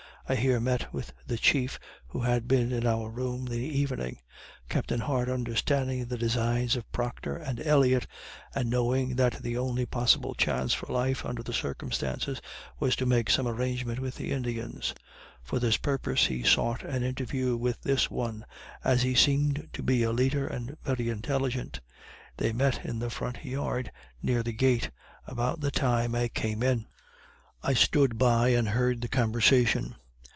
I here met with the chief who had been in our room in the evening. Captain Hart understanding the designs of Proctor and Elliott, and knowing that the only possible chance for life, under the circumstances, was to make some arrangement with the Indians. For this purpose he sought an interview with this one, as he seemed to be a leader, and very intelligent. They met in the front yard, near the gate, about the time I came in. I stood by and heard the conversation.